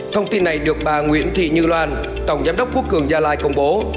thông tin này được bà nguyễn thị như loan tổng giám đốc quốc cường gia lai công bố